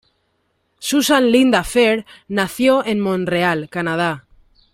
Susan Linda Fair nació en Montreal, Canadá.